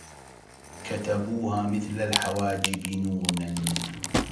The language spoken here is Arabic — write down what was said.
كتبوها مثل الحواجب نونا